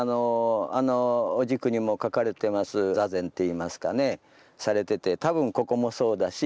あのお軸にも描かれてます坐禅っていいますかねされてて多分ここもそうだし